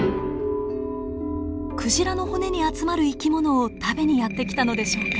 クジラの骨に集まる生き物を食べにやって来たのでしょうか？